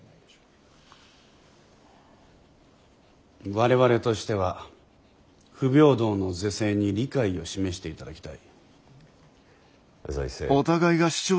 我々としては不平等の是正に理解を示していただきたい。